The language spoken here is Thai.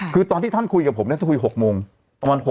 คือตอนที่ท่านคุยกับผมนั่นจะคุย๖โมงป๖โมง๑๕นาที